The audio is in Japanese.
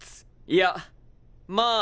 いやまあ